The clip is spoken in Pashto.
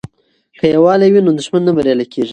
که یووالي وي نو دښمن نه بریالی کیږي.